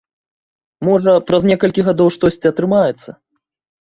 Можа, праз некалькі гадоў штосьці атрымаецца.